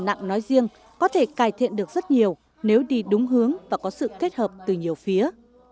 nặng nói riêng có thể cải thiện được rất nhiều nếu đi đúng hướng và có sự kết hợp từ nhiều phía